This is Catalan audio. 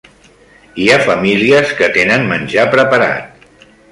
Hi ha famílies que tenen menjar preparat.